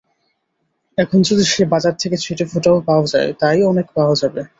এখন যদি সেই বাজার থেকে ছিটেফোঁটাও পাওয়া যায়, তা-ই অনেক পাওয়া হবে।